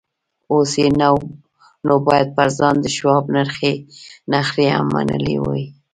اوس یې نو باید پر ځان د شواب نخرې هم منلې وای